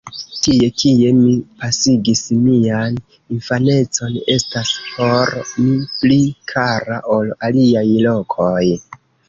Tie, kie mi pasigis mian infanecon, estas por mi pli kara ol aliaj lokoj.